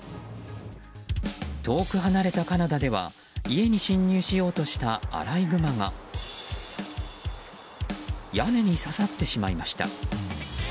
遠く離れたカナダでは家に侵入しようとしたアライグマが屋根に刺さってしまいました。